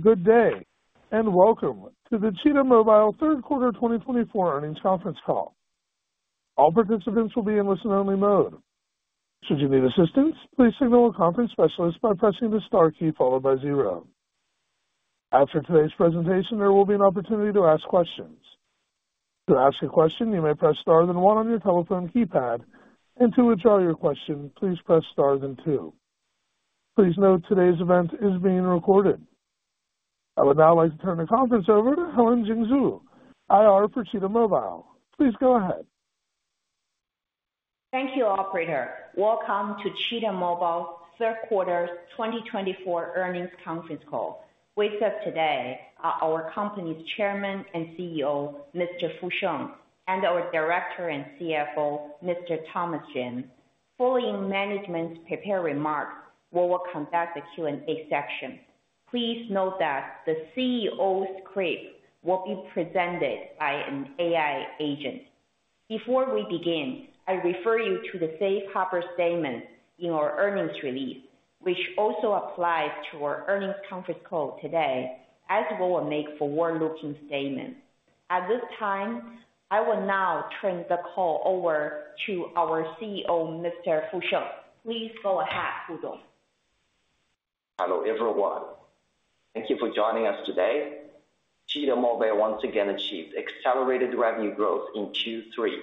Good day, and welcome to the Cheetah Mobile Third Quarter 2024 Earnings Conference Call. All participants will be in listen-only mode. Should you need assistance, please signal a conference specialist by pressing the star key followed by 0. After today's presentation, there will be an opportunity to ask questions. To ask a question, you may press star then 1 on your telephone keypad, and to withdraw your question, please press star then 2. Please note today's event is being recorded. I would now like to turn the conference over to Helen Jing Zhu, IR for Cheetah Mobile. Please go ahead. Thank you, Operator. Welcome to Cheetah Mobile Third Quarter 2024 Earnings Conference Call. With us today are our company's Chairman and CEO, Mr. Fu Sheng, and our Director and CFO, Mr. Thomas Ren. Following management's prepared remarks, we will conduct a Q&A session. Please note that the CEO's script will be presented by an AI agent. Before we begin, I refer you to the safe harbor statement in our earnings release, which also applies to our earnings conference call today, as well as make forward-looking statements. At this time, I will now turn the call over to our CEO, Mr. Fu Sheng. Please go ahead, Fu Dong. Hello, everyone. Thank you for joining us today. Cheetah Mobile once again achieved accelerated revenue growth in Q3,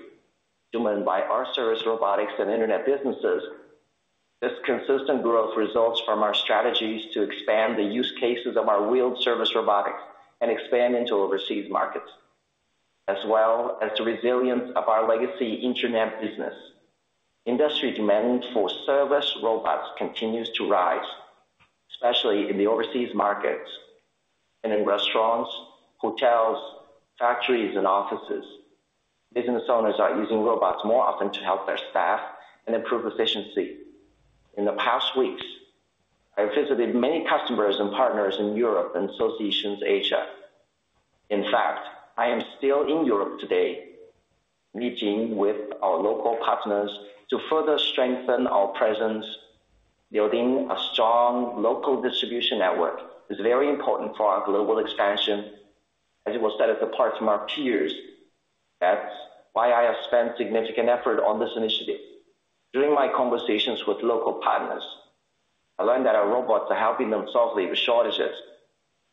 driven by our service robotics and internet businesses. This consistent growth results from our strategies to expand the use cases of our wheeled service robotics and expand into overseas markets, as well as the resilience of our legacy internet business. Industry demand for service robots continues to rise, especially in the overseas markets and in restaurants, hotels, factories, and offices. Business owners are using robots more often to help their staff and improve efficiency. In the past weeks, I visited many customers and partners in Europe and associations in Asia. In fact, I am still in Europe today meeting with our local partners to further strengthen our presence. Building a strong local distribution network is very important for our global expansion, as it will set us apart from our peers. That's why I have spent significant effort on this initiative. During my conversations with local partners, I learned that our robots are helping them solve labor shortages.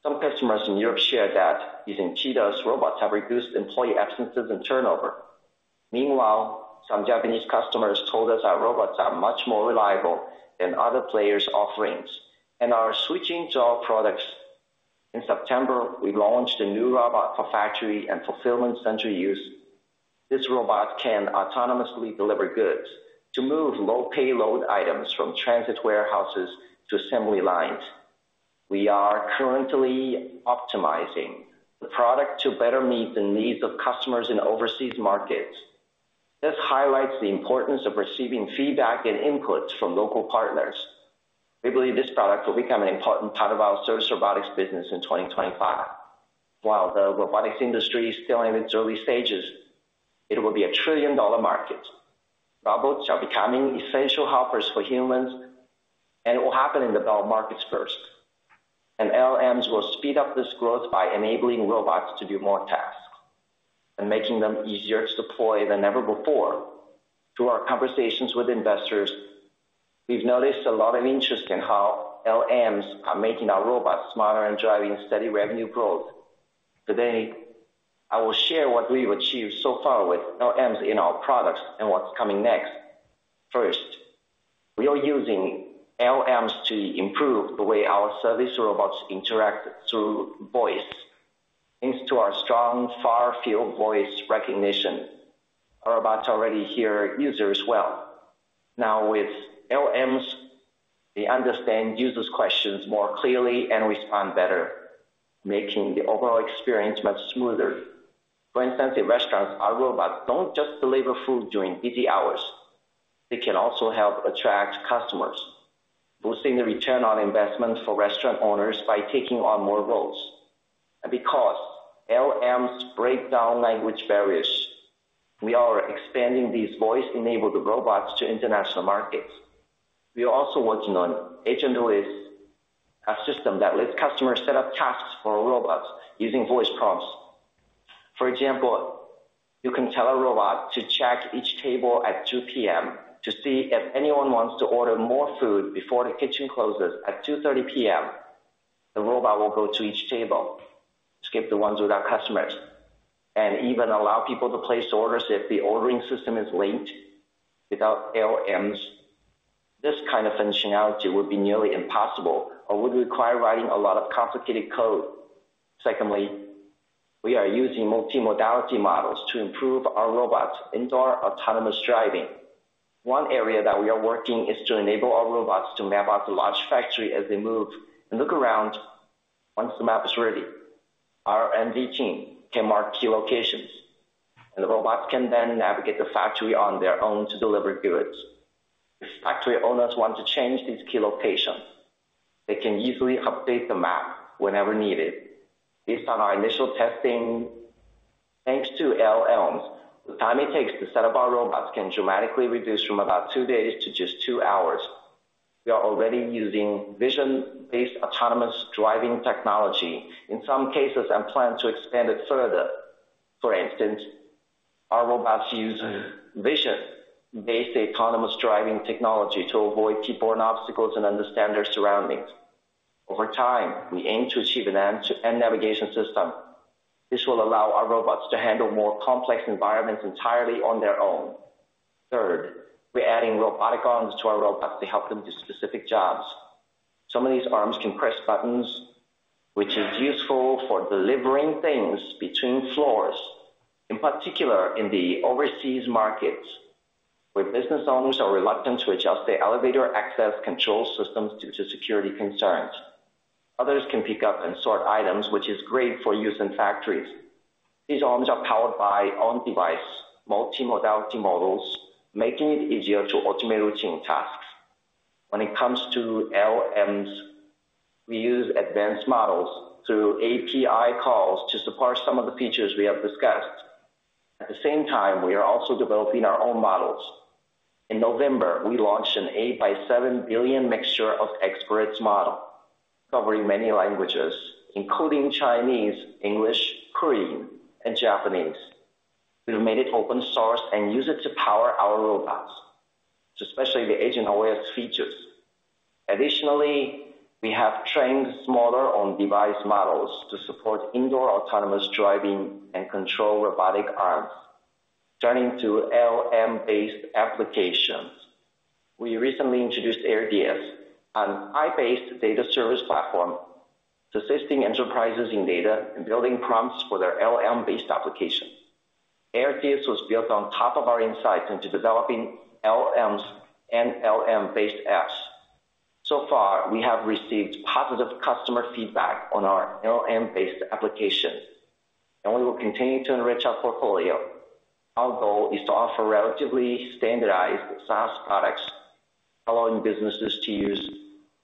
Some customers in Europe shared that using Cheetah's robots have reduced employee absences and turnover. Meanwhile, some Japanese customers told us our robots are much more reliable than other players' offerings and are switching to our products. In September, we launched a new robot for factory and fulfillment center use. This robot can autonomously deliver goods to move low-payload items from transit warehouses to assembly lines. We are currently optimizing the product to better meet the needs of customers in overseas markets. This highlights the importance of receiving feedback and inputs from local partners. We believe this product will become an important part of our service robotics business in 2025. While the robotics industry is still in its early stages, it will be a trillion-dollar market. Robots are becoming essential helpers for humans, and it will happen in the developed markets first. LLMs will speed up this growth by enabling robots to do more tasks and making them easier to deploy than ever before. Through our conversations with investors, we've noticed a lot of interest in how LLMs are making our robots smarter and driving steady revenue growth. Today, I will share what we've achieved so far with LLMs in our products and what's coming next. First, we are using LLMs to improve the way our service robots interact through voice. Thanks to our strong far-field voice recognition, our robots already hear users well. Now, with LLMs, they understand users' questions more clearly and respond better, making the overall experience much smoother. For instance, in restaurants, our robots don't just deliver food during busy hours. They can also help attract customers, boosting the return on investment for restaurant owners by taking on more roles. Because LLMs break down language barriers, we are expanding these voice-enabled robots to international markets. We are also working on AgentOS, a system that lets customers set up tasks for robots using voice prompts. For example, you can tell a robot to check each table at 2:00 PM to see if anyone wants to order more food before the kitchen closes at 2:30 PM. The robot will go to each table, skip the ones without customers, and even allow people to place orders if the ordering system is linked. Without LLMs, this kind of functionality would be nearly impossible or would require writing a lot of complicated code. Secondly, we are using multimodal models to improve our robots' indoor autonomous driving. One area that we are working on is to enable our robots to map out the large factory as they move and look around. Once the map is ready, our operations team can mark key locations, and the robots can then navigate the factory on their own to deliver goods. If factory owners want to change these key locations, they can easily update the map whenever needed. Based on our initial testing, thanks to LLMs, the time it takes to set up our robots can dramatically reduce from about two days to just two hours. We are already using vision-based autonomous driving technology in some cases and plan to expand it further. For instance, our robots use vision-based autonomous driving technology to avoid people and obstacles and understand their surroundings. Over time, we aim to achieve an end-to-end navigation system. This will allow our robots to handle more complex environments entirely on their own. Third, we're adding robotic arms to our robots to help them do specific jobs. Some of these arms can press buttons, which is useful for delivering things between floors, in particular in the overseas markets, where business owners are reluctant to adjust their elevator access control systems due to security concerns. Others can pick up and sort items, which is great for use in factories. These arms are powered by on-device multimodal models, making it easier to automate routine tasks. When it comes to LLMs, we use advanced models through API calls to support some of the features we have discussed. At the same time, we are also developing our own models. In November, we launched an 8 by 7 billion mixture of experts model, covering many languages, including Chinese, English, Korean, and Japanese. We've made it open source and use it to power our robots, especially the AgentOS features. Additionally, we have trained smaller on-device models to support indoor autonomous driving and control robotic arms, turning to LLM-based applications. We recently introduced AirDS, an AI-based data service platform, assisting enterprises in data and building prompts for their LLM-based applications. AirDS was built on top of our insights into developing LLMs and LLM-based apps. So far, we have received positive customer feedback on our LLM-based applications, and we will continue to enrich our portfolio. Our goal is to offer relatively standardized SaaS products, allowing businesses to use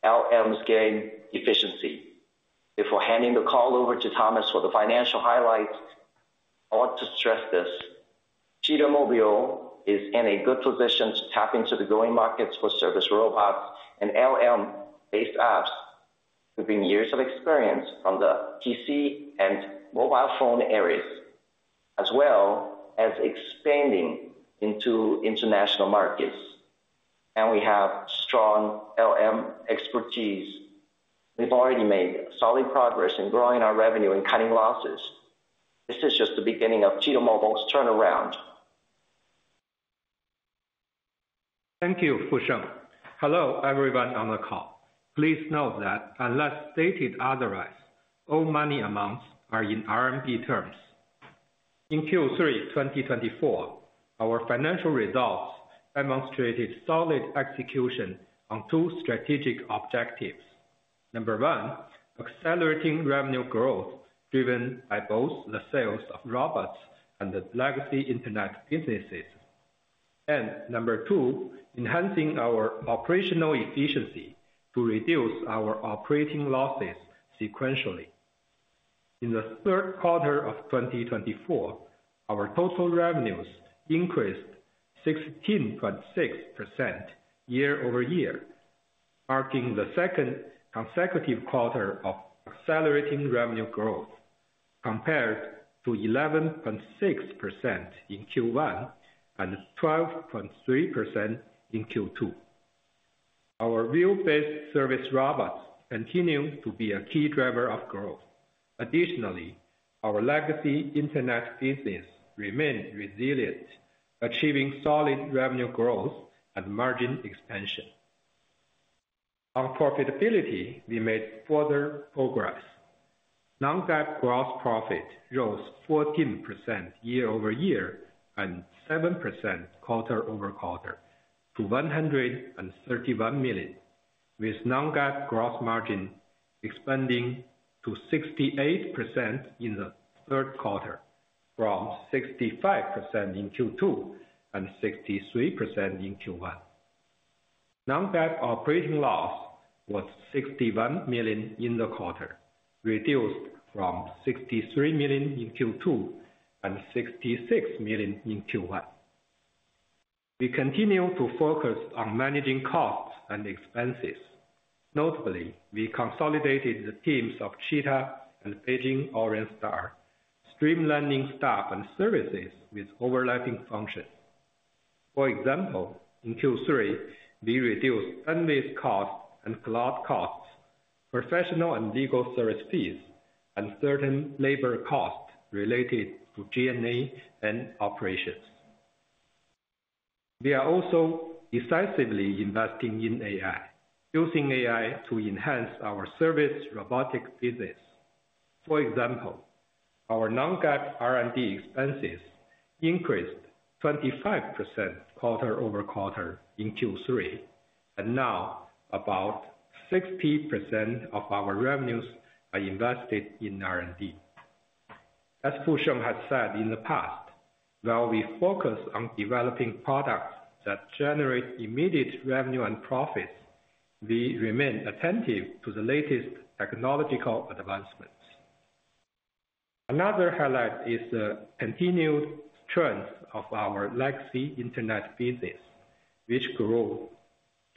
LLMs to gain efficiency. Before handing the call over to Thomas for the financial highlights, I want to stress this: Cheetah Mobile is in a good position to tap into the growing markets for service robots and LLM-based apps, given years of experience from the PC and mobile phone eras, as well as expanding into international markets. We have strong LLM expertise. We've already made solid progress in growing our revenue and cutting losses. This is just the beginning of Cheetah Mobile's turnaround. Thank you, Fu Sheng. Hello, everyone on the call. Please note that, unless stated otherwise, all money amounts are in RMB terms. In Q3 2024, our financial results demonstrated solid execution on two strategic objectives. Number one, accelerating revenue growth driven by both the sales of robots and the legacy internet businesses. Number two, enhancing our operational efficiency to reduce our operating losses sequentially. In the third quarter of 2024, our total revenues increased 16.6% year over year, marking the second consecutive quarter of accelerating revenue growth, compared to 11.6% in Q1 and 12.3% in Q2. Our wheel-based service robots continue to be a key driver of growth. Additionally, our legacy internet business remained resilient, achieving solid revenue growth and margin expansion. On profitability, we made further progress. Non-GAAP gross profit rose 14% year over year and 7% quarter over quarter to ¥131 million, with non-GAAP gross margin expanding to 68% in the third quarter, from 65% in Q2 and 63% in Q1. Non-GAAP operating loss was ¥61 million in the quarter, reduced from ¥63 million in Q2 and ¥66 million in Q1. We continue to focus on managing costs and expenses. Notably, we consolidated the teams of Cheetah and Beijing OrionStar, streamlining staff and services with overlapping functions. For example, in Q3, we reduced invoice costs and cloud costs, professional and legal service fees, and certain labor costs related to G&A and operations. We are also decisively investing in AI, using AI to enhance our service robotics business. For example, our non-GAAP R&D expenses increased 25% quarter over quarter in Q3, and now about 60% of our revenues are invested in R&D. As Fu Sheng has said in the past, while we focus on developing products that generate immediate revenue and profits, we remain attentive to the latest technological advancements. Another highlight is the continued strength of our legacy internet business, which grew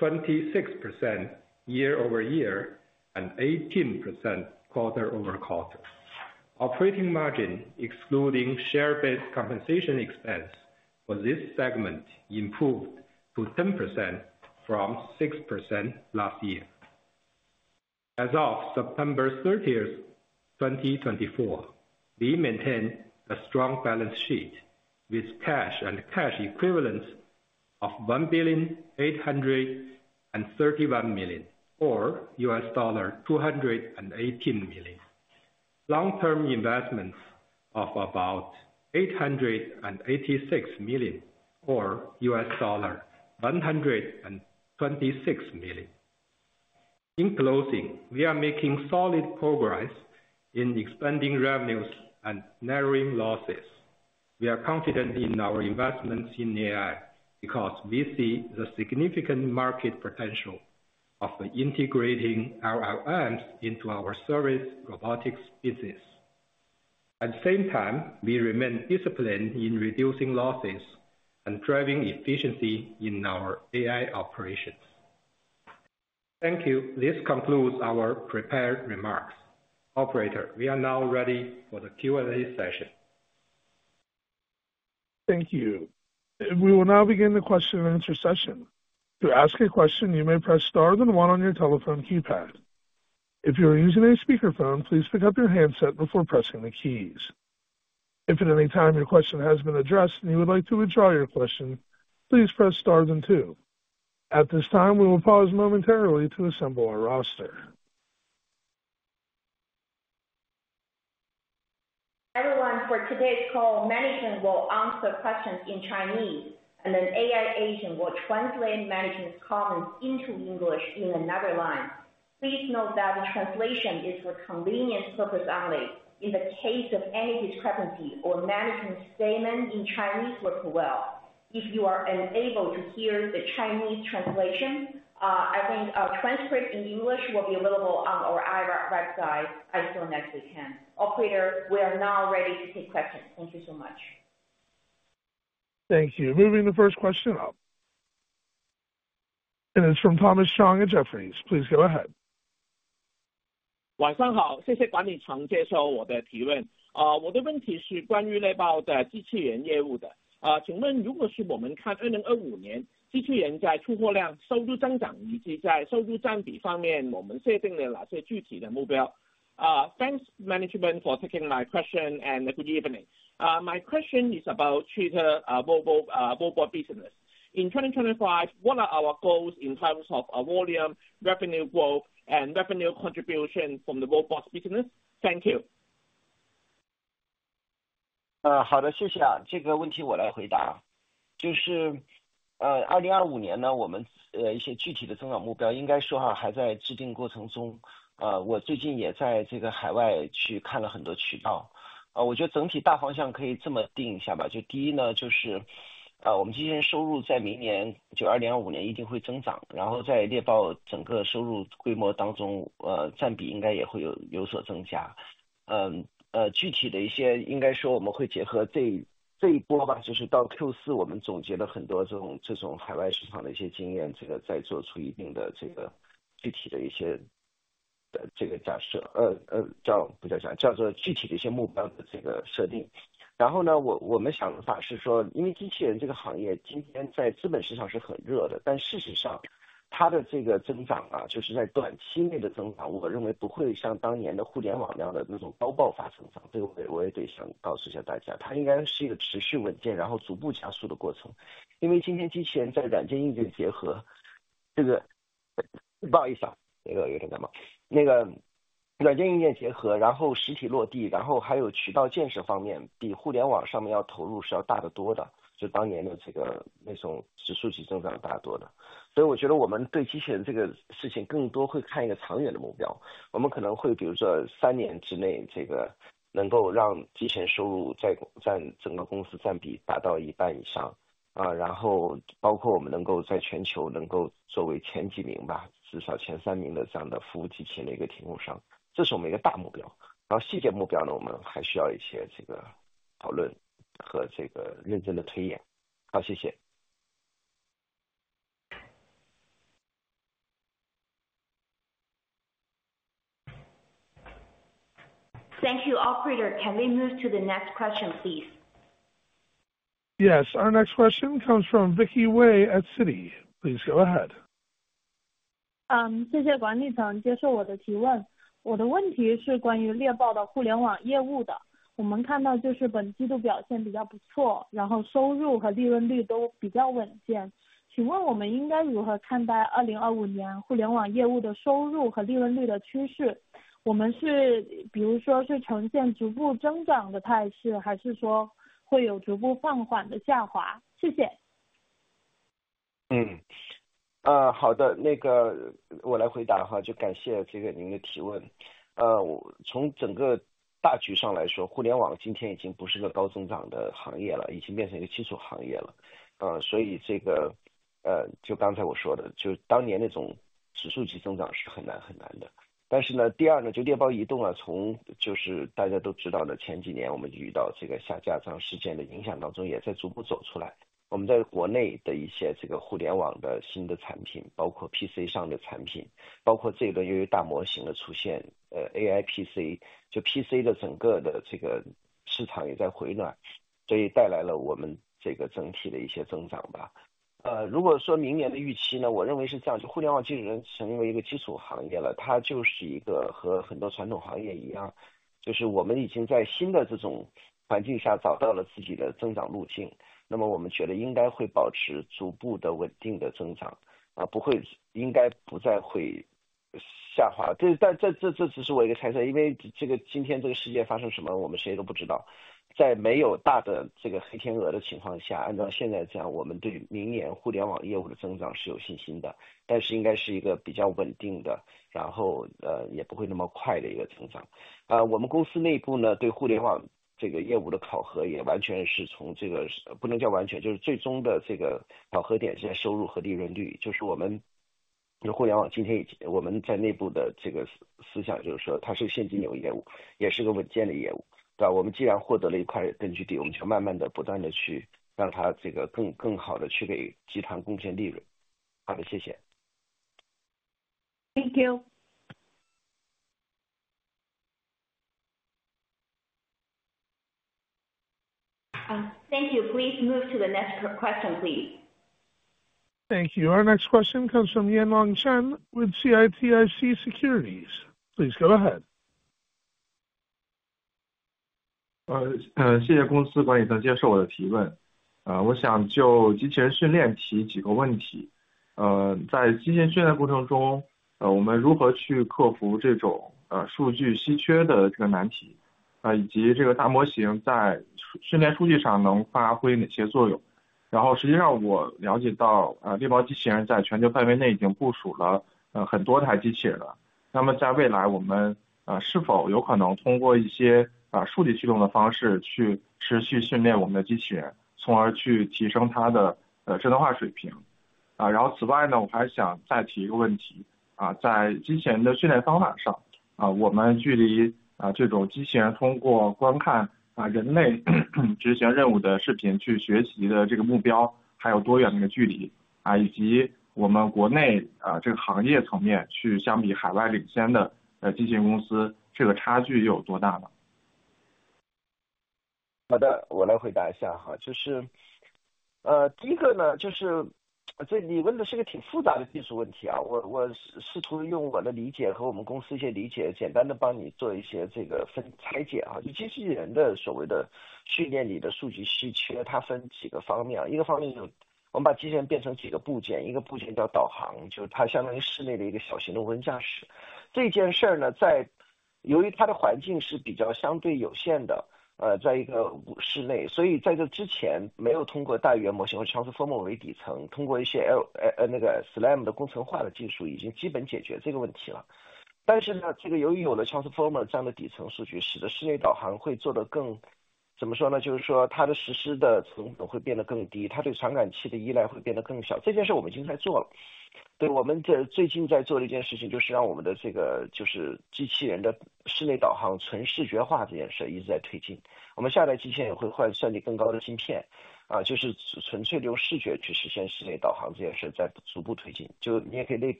26% year over year and 18% quarter over quarter. Operating margin, excluding share-based compensation expense, for this segment improved to 10% from 6% last year. As of September 30, 2024, we maintain a strong balance sheet with cash and cash equivalents of ¥1.831 billion, or $218 million. Long-term investments of about ¥886 million, or $126 million. In closing, we are making solid progress in expanding revenues and narrowing losses. We are confident in our investments in AI because we see the significant market potential of integrating our LMs into our service robotics business. At the same time, we remain disciplined in reducing losses and driving efficiency in our AI operations. Thank you. This concludes our prepared remarks. Operator, we are now ready for the Q&A session. Thank you. We will now begin the question-and-answer session. To ask a question, you may press star then 1 on your telephone keypad. If you are using a speakerphone, please pick up your handset before pressing the keys. If at any time your question has been addressed and you would like to withdraw your question, please press star then 2. At this time, we will pause momentarily to assemble our roster. Everyone, for today's call, Management will answer questions in Chinese, and then AI Agent will translate Management's comments into English in another language. Please note that the translation is for convenience purposes only. In the case of any discrepancy, Management's statement in Chinese will prevail. If you are unable to hear the Chinese translation, I think a transcript in English will be available on our IR website as soon as we can. Operator, we are now ready to take questions. Thank you so much. Thank you. Moving the first question up. And it's from Thomas Chong at Jefferies. Please go ahead. 晚上好，谢谢管理层接受我的提问。我的问题是关于猎豹的机器人业务的。请问如果是我们看2025年，机器人在出货量、收入增长以及在收入占比方面，我们设定了哪些具体的目标？ Thanks, management, for taking my question and a good evening. My question is about Cheetah Mobile business. In 2025, what are our goals in terms of volume, revenue growth, and revenue contribution from the robots business? Thank you. Thank you. Operator, can we move to the next question, please? Yes. Our next question comes from Vicky Wei at Citi. Please go ahead. 谢谢管理层接受我的提问。我的问题是关于猎豹的互联网业务的。我们看到本季度表现比较不错，收入和利润率都比较稳健。请问我们应该如何看待2025年互联网业务的收入和利润率的趋势？我们是比如说呈现逐步增长的态势，还是说会有逐步放缓的下滑？谢谢。好的，我来回答。感谢您的提问。从整个大局上来说，互联网今天已经不是个高增长的行业了，已经变成一个基础行业了。所以就刚才我说的，当年那种指数级增长是很难的。但是第二就猎豹移动，从大家都知道的前几年我们遇到下架事件的影响当中也在逐步走出来。我们在国内的一些互联网的新的产品，包括PC上的产品，包括这一轮由于大模型的出现，AI PC，PC的整个的市场也在回暖，所以带来了我们整体的一些增长。我们公司内部对互联网业务的考核也完全是从这个，不能叫完全，最终的考核点是在收入和利润率。我们互联网今天已经，我们在内部的思想就是说它是现金流业务，也是个稳健的业务。我们既然获得了一块根据地，我们就慢慢的不断的去让它更好的去给集团贡献利润。好的，谢谢。Thank you. Thank you. Please move to the next question, please. Thank you. Our next question comes from Yanglong Chen with CITIC Securities. Please go ahead.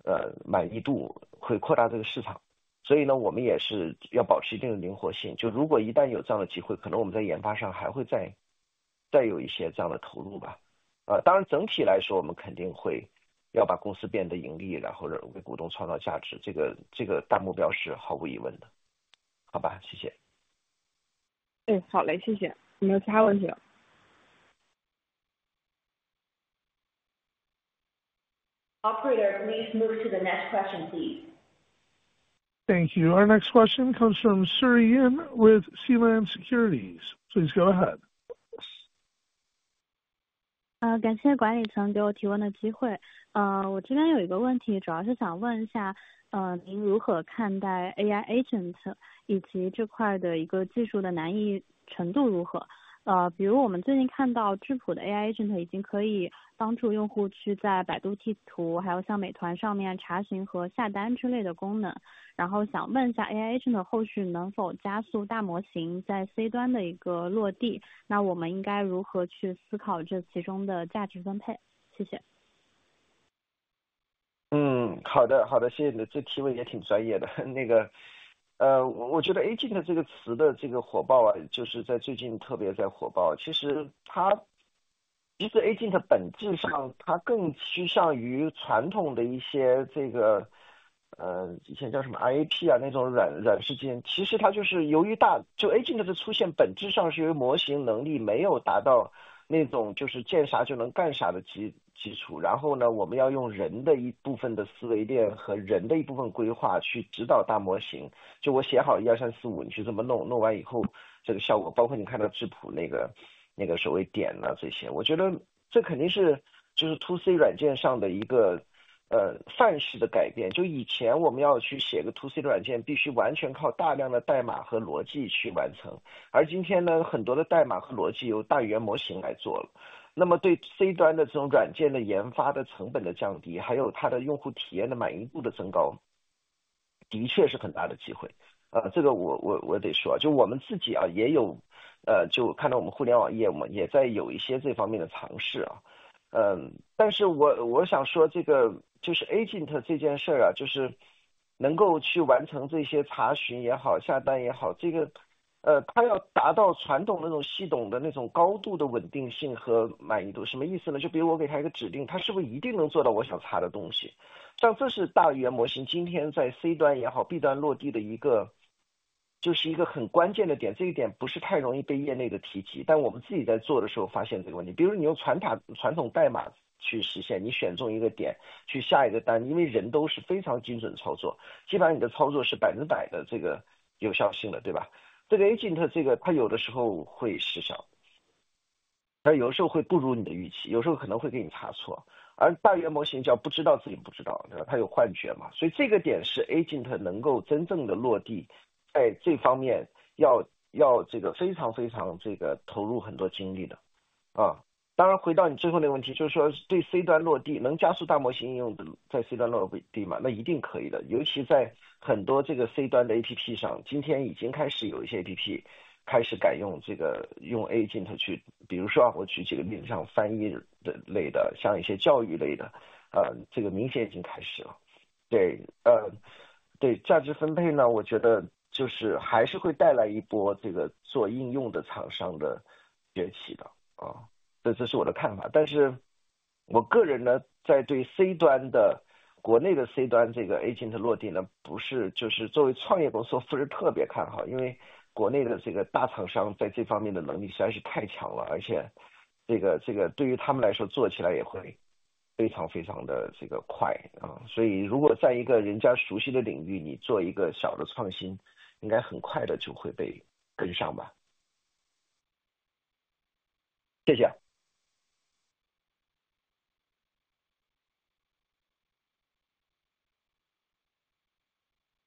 好，谢谢。Operator, please move to the next question, please. Thank you. Our next question comes from Yanni Su with HuaTai Securities. Please go ahead. 感谢管理层。我们看到今年年初以来，公司每个季度都在不断减亏。想问一下我们后续对于减亏的节奏和具体规划有没有一些展望？另外是否有明确的可以实现盈利的时间表？谢谢。好的。我也来回答这个问题。减亏肯定是我们重中之重。今天所有的企业都在高喊着降本增效，对我们来说也是。我们今年肯定实现了一定规模减亏。但是我想说这个减亏，由于我们参与了大语言模型的一些研发和训练，所以使我们这个节奏还放慢了一点点。但这一轮我们发完MOE以后，我们会把我们更多的力量放在Agent的开发和这个机器人的Agent相关的落地上。这样的研发成本会比过去训练大语言模型要减低不少。我们内部肯定是有一定减亏的，反正是专门制定了减亏计划和包括盈利的时间表。但是我觉得因为市场不断在变化，技术也在变化，我们可能这个不会作为一个特别对外去讲的一个非常清晰的时间表。因为现在我认为这一波，刚才那个朋友提问的说机器人训练方面的一些进展，因为我们现在看到了一些商业的机会。我们也看到服务机器人由于大语言模型的加持，无论是它的底层的规划能力、任务决策能力，包括它的交互能力，我们认为都会有不错的一个提升，然后会扩大它的在各个市场的这种满意度，会扩大这个市场。所以我们也是要保持一定的灵活性。如果一旦有这样的机会，可能我们在研发上还会再有一些这样的投入。当然整体来说，我们肯定会要把公司变得盈利，然后为股东创造价值，这个大目标是毫无疑问的。好吧，谢谢。好嘞，谢谢。有没有其他问题了？ Operator, please move to the next question, please. Thank you. Our next question comes from Chuanlu Yin with Sealand Securities. Please go ahead. 感谢管理层给我提问的机会。我这边有一个问题，主要是想问一下您如何看待AI Agent以及这块的技术难易程度如何？比如我们最近看到智谱的AI Agent已经可以帮助用户去在百度地图，还有像美团上面查询和下单之类的功能。然后想问一下AI Agent后续能否加速大模型在C端的落地，我们应该如何去思考这其中的价值分配？谢谢。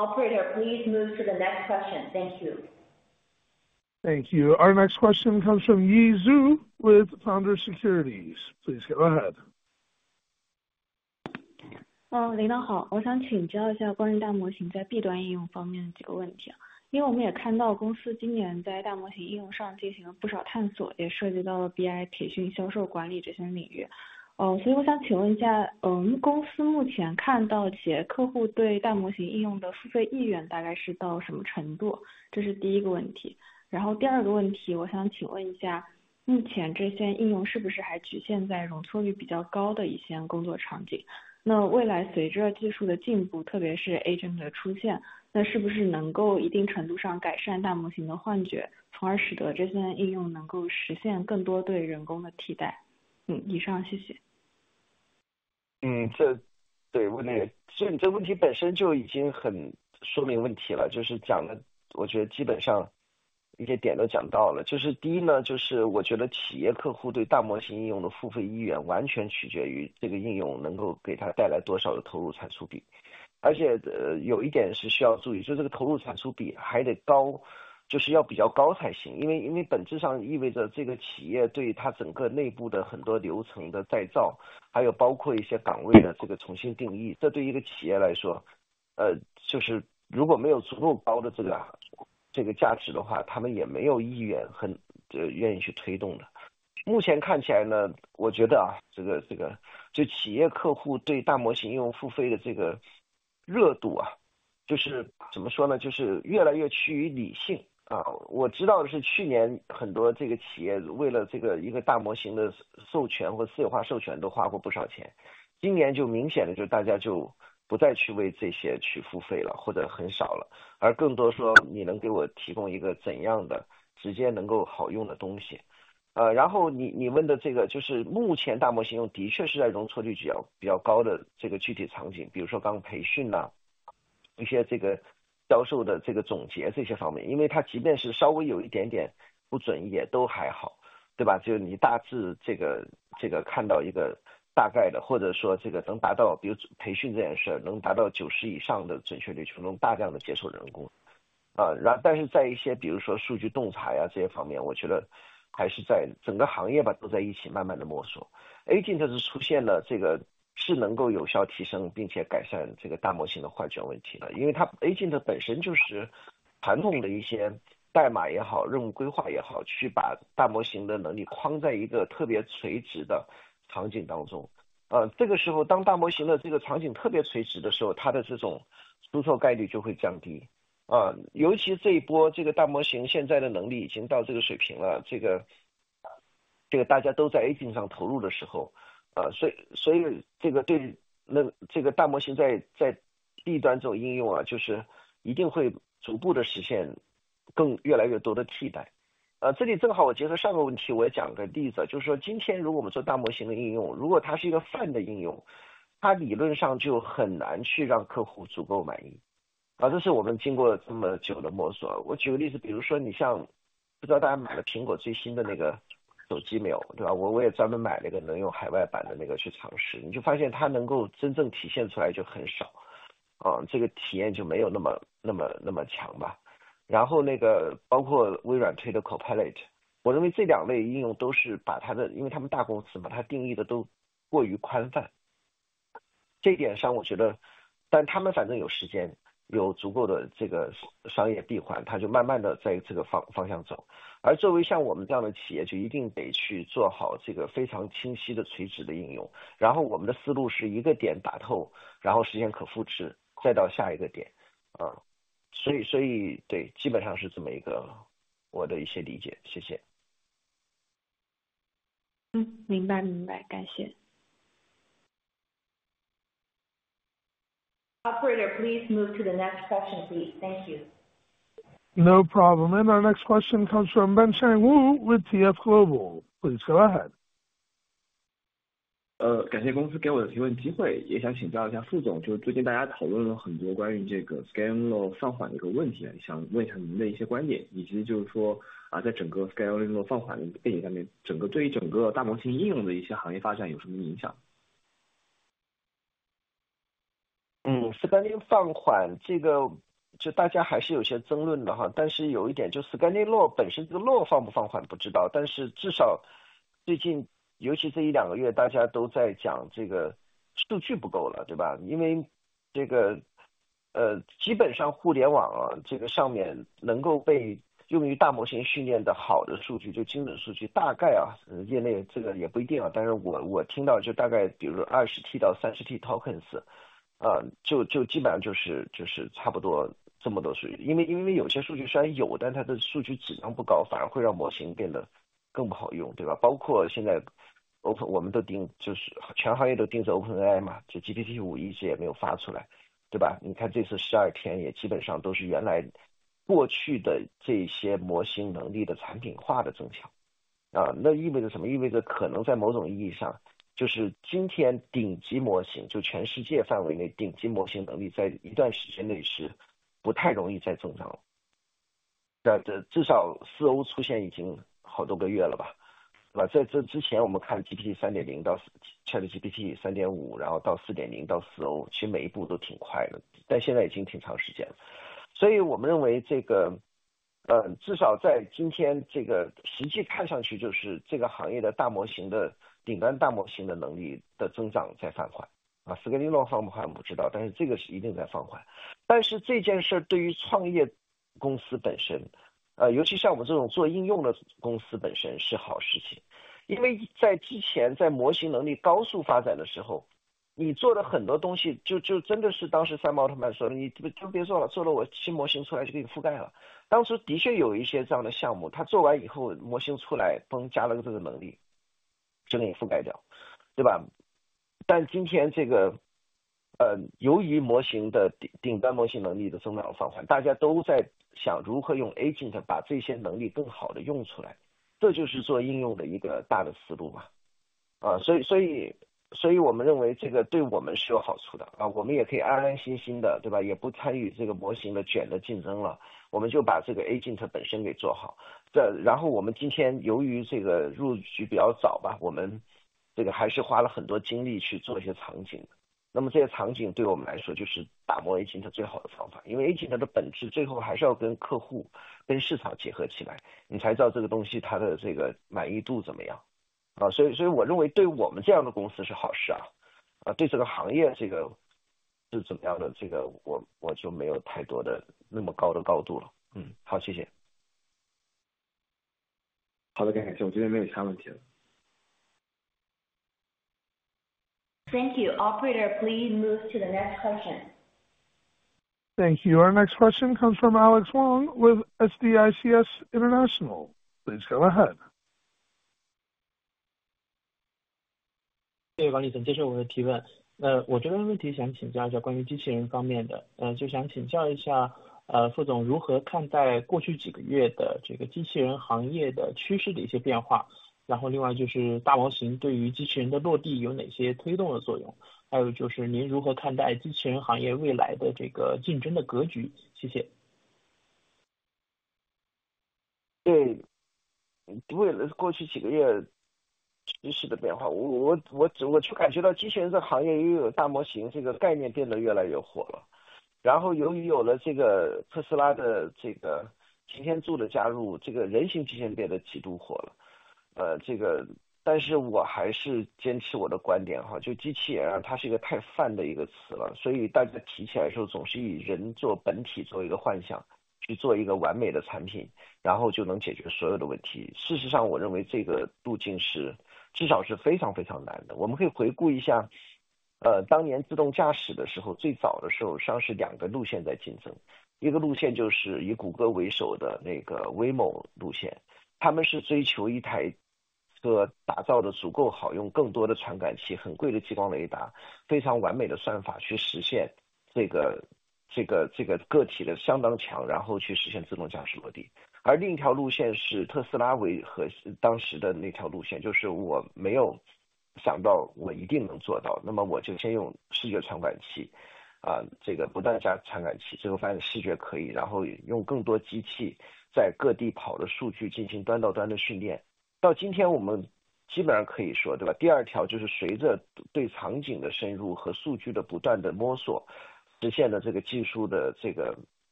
Operator, please move to the next question. Thank you. Thank you. Our next question comes from Yi Zhu with Founder Securities. Please go ahead. 所以对，基本上是这么一个我的一些理解，谢谢。明白，感谢。Operator, please move to the next question, please. Thank you. No problem. And our next question comes from Bensheng Wu with CS Global. Please go ahead. 感谢公司给我的提问机会，也想请教一下副总，就是最近大家讨论了很多关于Scaling Law放缓的一个问题，想问一下您的一些观点，以及就是说在整个Scaling tokens，就基本上就是差不多这么多数据。因为有些数据虽然有，但它的数据质量不高，反而会让模型变得更不好用，对吧？包括现在我们就是全行业都盯着OpenAI，就是GPT-5一直也没有发出来，对吧？你看这次12天也基本上都是原来过去的这些模型能力的产品化的增强。那意味着什么？意味着可能在某种意义上，就是今天顶级模型，就全世界范围内顶级模型能力在一段时间内是不太容易再增长了。至少4O出现已经好多个月了吧。在这之前我们看GPT-3.0到ChatGPT 3.5，然后到4.0到4O，其实每一步都挺快的，但现在已经挺长时间了。所以我们认为至少在今天这个实际看上去就是这个行业的大模型的顶端大模型的能力的增长在放缓。Scaling 好的，感谢，我这边没有其他问题了。Thank you. Operator, please move to the next question. Thank you. Our next question comes from Alex Wang with SDICS International. Please go ahead.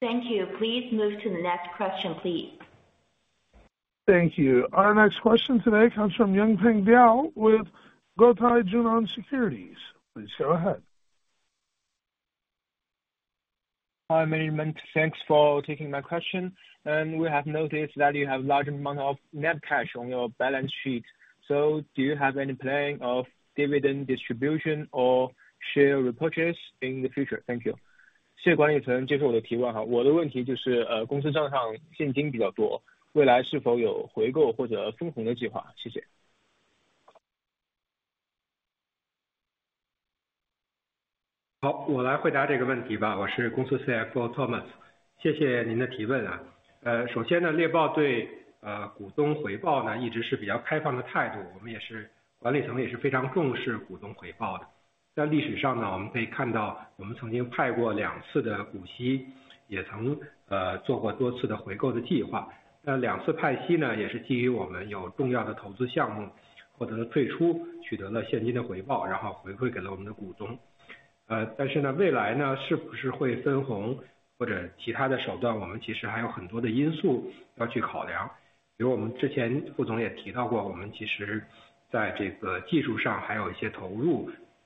Thank you. Please move to the next question, please. Thank you. Our next question today comes from Yunpeng Diao with Guotai Junan Securities. Please go ahead. Hi, management. Thanks for taking my question. We have noticed that you have a large amount of net cash on your balance sheet. Do you have any plan of dividend distribution or share repurchase in the future? Thank you. 谢谢管理层接受我的提问。我的问题就是公司账上现金比较多，未来是否有回购或者分红的计划？谢谢。好，我来回答这个问题。我是公司CFO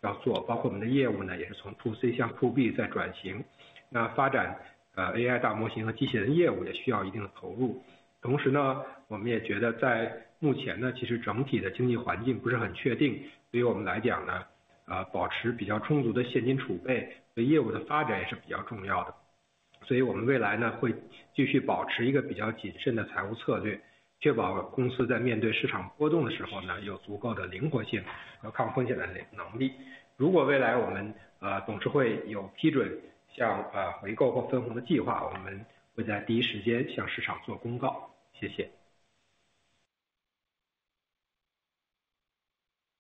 Thomas。谢谢您的提问。首先猎豹对股东回报一直是比较开放的态度，我们管理层也是非常重视股东回报的。在历史上我们可以看到我们曾经派过两次的股息，也曾做过多次的回购的计划。两次派息也是基于我们有重要的投资项目获得了退出，取得了现金的回报，然后回馈给了我们的股东。但是未来是不是会分红或者其他的手段，我们其实还有很多的因素要去考量。比如我们之前副总也提到过，我们其实在技术上还有一些投入要做，包括我们的业务也是从PoC向PoB在转型。发展AI大模型和机器人业务也需要一定的投入。同时我们也觉得在目前其实整体的经济环境不是很确定，对于我们来讲保持比较充足的现金储备和业务的发展也是比较重要的。所以我们未来会继续保持一个比较谨慎的财务策略，确保公司在面对市场波动的时候有足够的灵活性和抗风险的能力。如果未来我们董事会有批准像回购或分红的计划，我们会在第一时间向市场做公告。谢谢。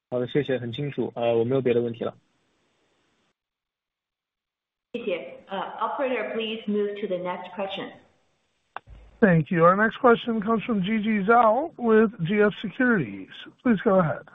好的，谢谢，很清楚。我没有别的问题了。谢谢。Operator, please move to the next question. Thank you. Our next question comes from Gigi Zhao with GF Securities. Please go ahead.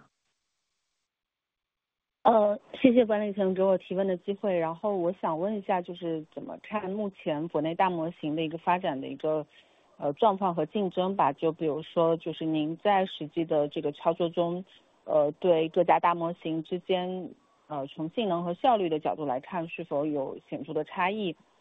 谢谢管理层给我提问的机会，然后我想问一下就是怎么看目前国内大模型的一个发展的一个状况和竞争吧。就比如说就是您在实际的这个操作中，对各家大模型之间从性能和效率的角度来看是否有显著的差异，或者说就是说目前大模型的竞争是否已经超越了模型能力本身，未来可能更多是向产品化和生态方面的一个建设。对，以上是我的问题，谢谢。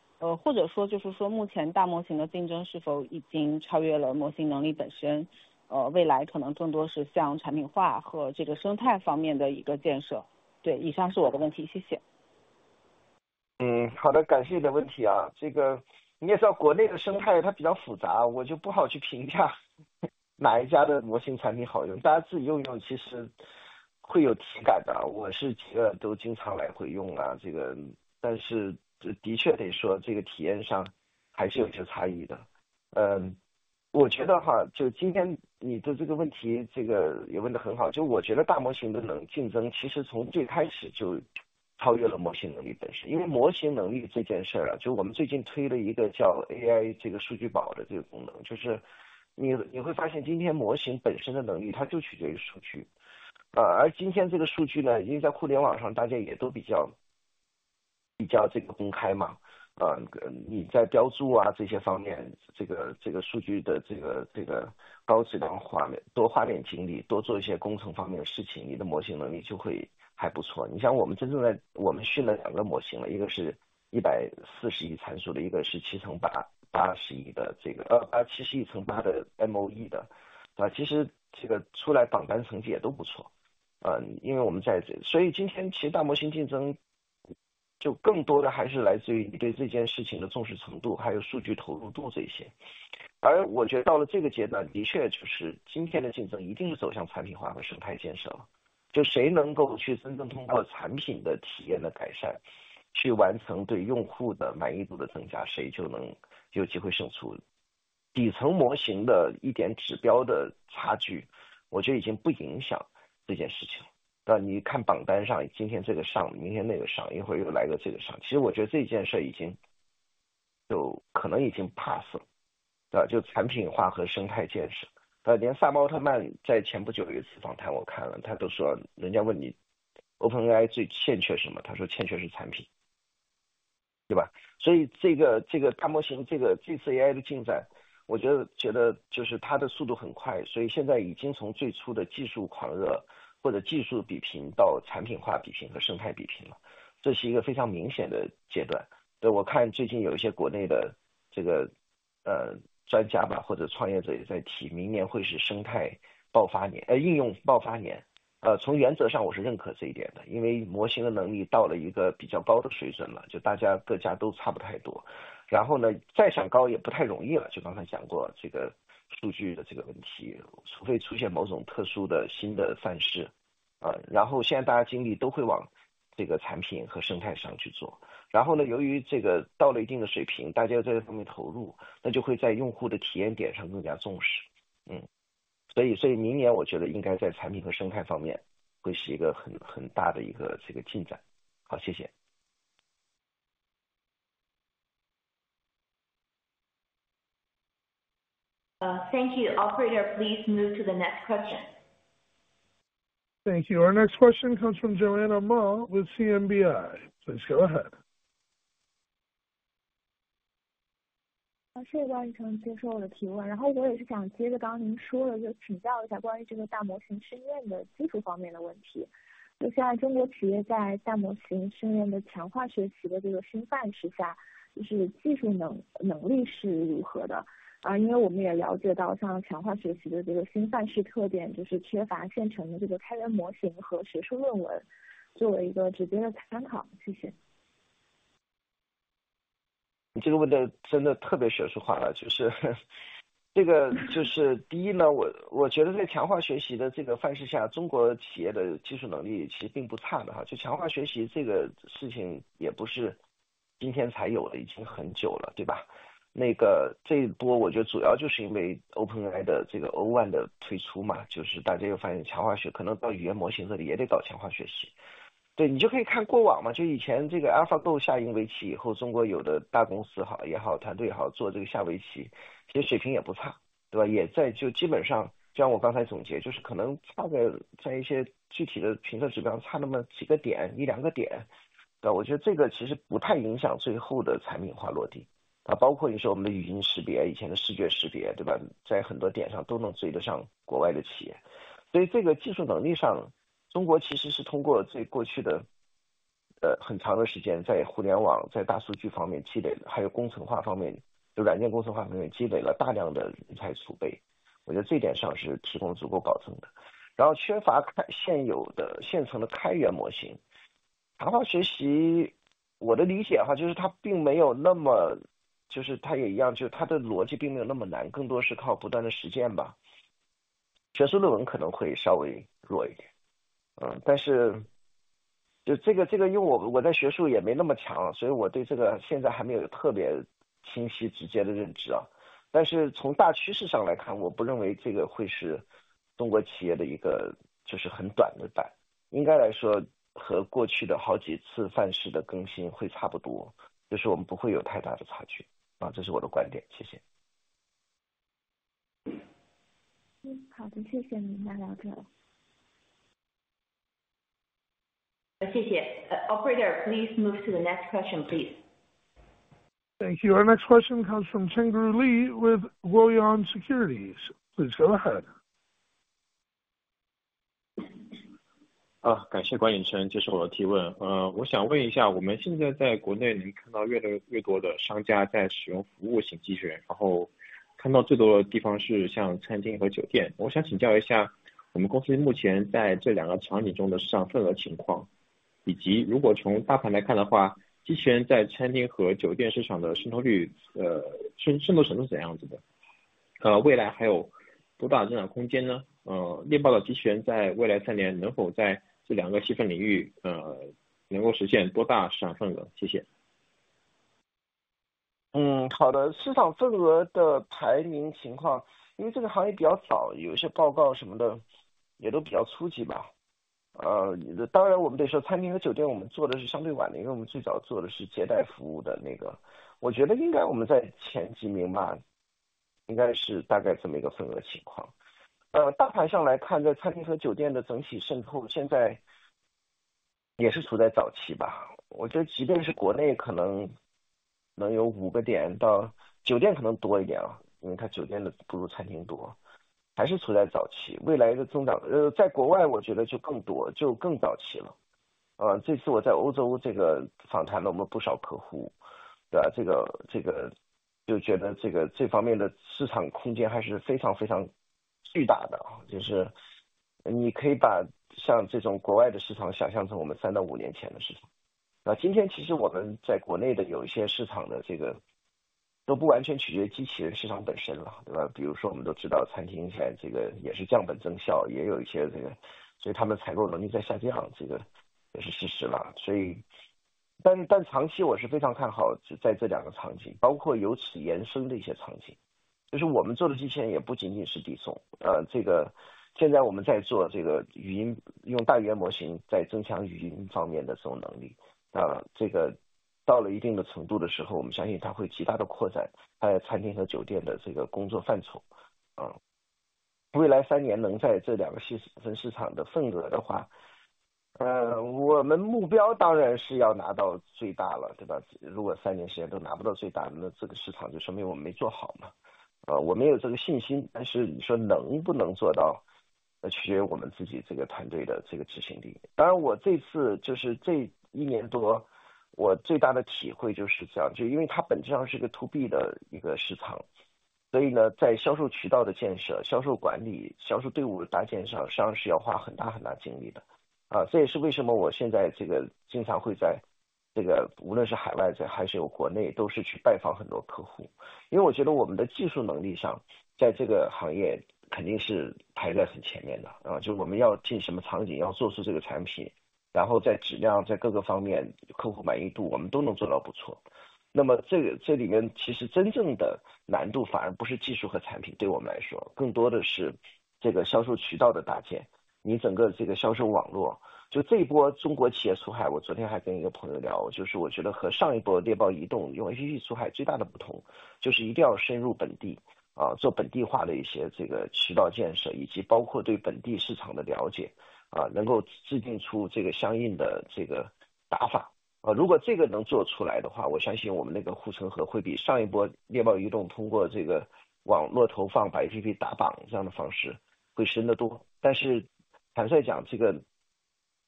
Thank you. Operator, please move to the next question. Thank you. Our next question comes from Joanna Ma with CMBI. Please go ahead. 谢谢管理层接受我的提问。然后我也是想接着刚才您说的，就请教一下关于大模型训练的技术方面的问题。现在中国企业在大模型训练的强化学习的新范式之下，就是技术能力是如何的？因为我们也了解到像强化学习的新范式特点，就是缺乏现成的开源模型和学术论文作为一个直接的参考，谢谢。好的，谢谢您，两位老师。谢谢。Operator, please move to the next question, please. Thank you. Our next question comes from Chengru Li with Guoyuan Securities. Please go ahead.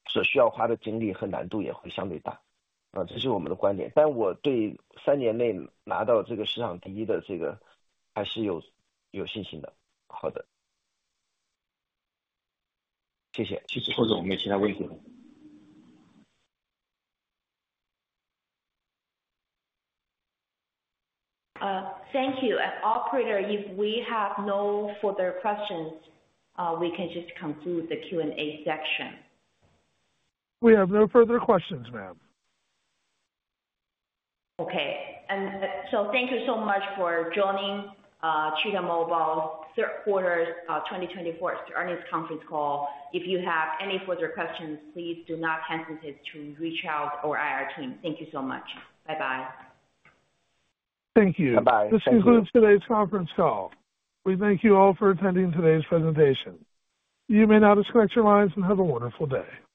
谢谢。或者我们有其他问题了。Thank you. Operator, if we have no further questions, we can just come through the Q&A section. We have no further questions, ma'am. Okay. And so thank you so much for joining Cheetah Mobile's Third Quarter 2024 Earnings Conference Call. If you have any further questions, please do not hesitate to reach out to our team. Thank you so much. Bye-bye. Thank you. Bye-bye. This concludes today's conference call. We thank you all for attending today's presentation. You may now disconnect your lines and have a wonderful day.